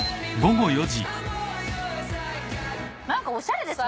何かおしゃれですね。